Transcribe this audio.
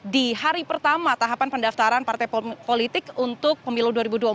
di hari pertama tahapan pendaftaran partai politik untuk pemilu dua ribu dua puluh empat